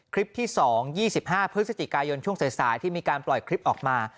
คลิปที่๒๒๕พฤศจิกายนช่วงสายที่มีการปล่อยคลิปออกมา